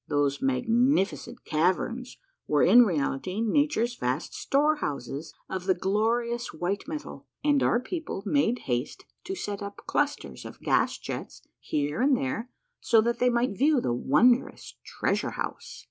Those magnificent caverns were in reality nature's vast storehouses of the glorious Avhite metal, and our people made A A/AnVELLOUS UNDERGROUND JOURNEY 117 haste to set up clusters of gas jets here and there, so that they might view the wondrous treasure house.